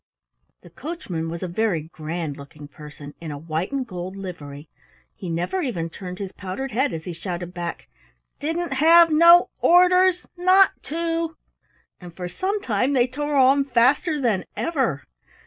The coachman was a very grand looking person in a white and gold livery. He never even turned his powdered head as he shouted back: "Didn't have no or ders not to!" And for some time they tore on faster than ever.